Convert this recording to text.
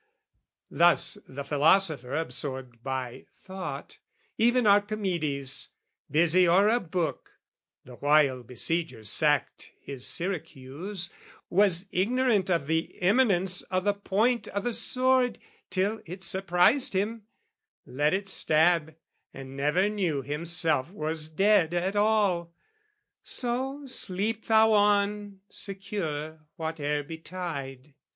Thus the philosopher absorbed by thought, Even Archimedes, busy o'er a book The while besiegers sacked his Syracuse, Was ignorant of the imminence o' the point O' the sword till it surprised him: let it stab, And never knew himself was dead at all. So sleep thou on, secure whate'er betide!